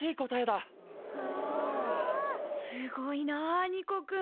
すごいなニコくん。